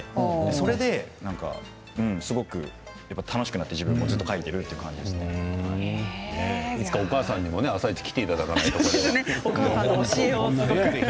それで何か楽しくなって自分もそれでずっと描いているいつかお母さんにも「あさイチ」に来ていただかないとね。